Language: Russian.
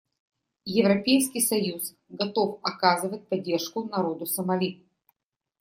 Европейский союз готов оказывать поддержку народу Сомали.